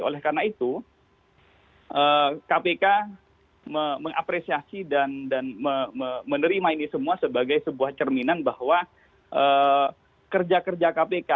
oleh karena itu kpk mengapresiasi dan menerima ini semua sebagai sebuah cerminan bahwa kerja kerja kpk